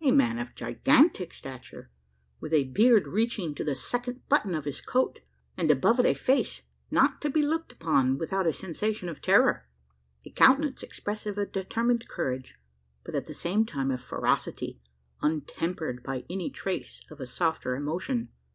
A man of gigantic stature, with a beard reaching to the second button of his coat; and above it a face, not to be looked upon without a sensation of terror: a countenance expressive of determined courage, but, at the same time, of ferocity, untempered by any trace of a softer emotion.